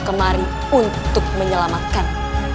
kemari untuk menyelamatkan